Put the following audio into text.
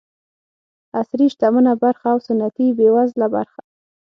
عصري شتمنه برخه او سنتي بېوزله برخه.